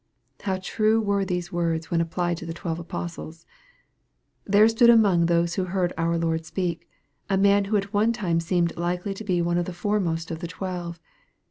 How true were these words, when applied to the twelve apostles ! There stood among those who heard our Lord speak, a man who at one time seemed likely to be one of the foremost of the twelve.